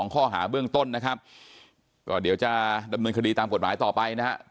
ข้อหาเบื้องต้นนะครับก็เดี๋ยวจะดำเนินคดีตามกฎหมายต่อไปนะฮะ